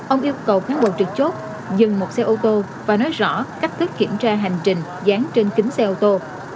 ông yêu cầu cán bộ trực chốt dừng một xe ô tô và nói rõ cách thức kiểm tra hành trình dán trên kính xe ô tô